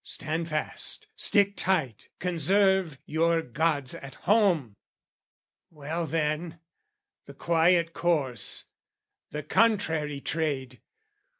"Stand fast, stick tight, conserve your gods at home!" " Well then, the quiet course, the contrary trade!